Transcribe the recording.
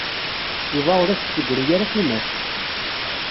Yuba ur as-d-teggri ara tumast.